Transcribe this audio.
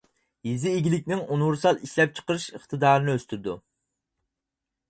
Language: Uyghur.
يېزا ئىگىلىكىنىڭ ئۇنىۋېرسال ئىشلەپچىقىرىش ئىقتىدارىنى ئۆستۈرىدۇ.